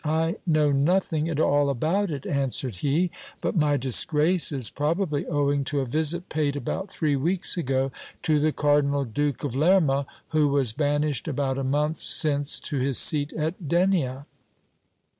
I know nothing at all about it, answered he ; but my disgrace is probably owing to a visit paid about three weeks ago to the Cardinal Duke of Derma, who was banished about a month since to his seat at Denia.